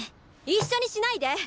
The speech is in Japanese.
一緒にしないで！